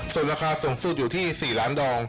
ส่วนราคาสูงสุดอยู่ที่๔ล้านดอง